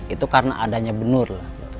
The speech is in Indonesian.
itu karena adanya benur